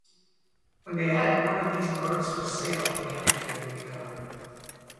When they had one of these birds for sale they kept it carefully covered.